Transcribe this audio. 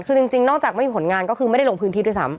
คือจริงนอกจากไม่มีผลงานก็คือไม่ได้ลงพื้นที่ด้วยซ้ำ